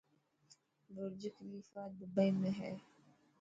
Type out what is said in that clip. برجخليفا دبئي ۾ هي.